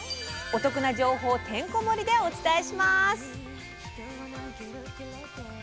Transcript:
お得な情報てんこ盛りでお伝えします！